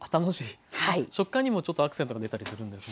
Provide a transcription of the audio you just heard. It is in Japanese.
食感にもちょっとアクセントが出たりするんですね。